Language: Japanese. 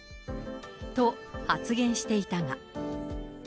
と、発言していたが。